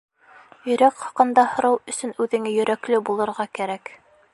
Йөрәк хаҡында һорау өсөн үҙеңә йөрәкле булырға кәрәк.